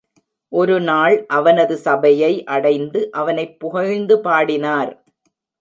ஒருநாள் அவனது சபையை அடைந்து அவனைப் புகழ்ந்து பாடினார்.